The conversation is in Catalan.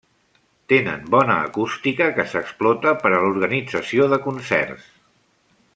Tenen bona acústica que s'explota per a l'organització de concerts.